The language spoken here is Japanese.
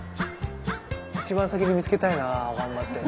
一番先に見つけたいな頑張って。